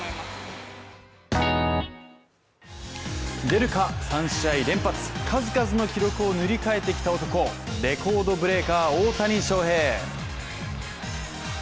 出るか、３試合連発、数々の記録を塗り替えてきた男、レコードブレーカー・大谷翔平。